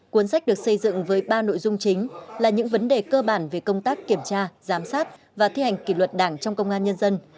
cuốn sách được xây dựng với ba nội dung chính là những vấn đề cơ bản về công tác kiểm tra giám sát và thi hành kỷ luật đảng trong công an nhân dân